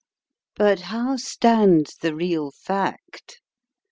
But how stands the real fact